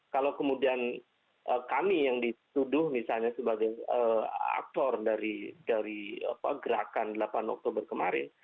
kalau kemudian kami yang dituduh misalnya sebagai aktor dari gerakan delapan oktober kemarin